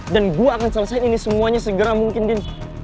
dan gue akan selesai ini semuanya segera mungkin din